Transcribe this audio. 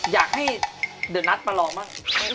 อยากให้เดอะนัทประหลอมมาก